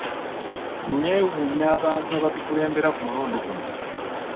Nneewuunya abantu abatukulembera ku mulundi guno.